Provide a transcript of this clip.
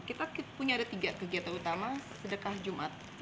kita punya ada tiga kegiatan utama sedekah jumat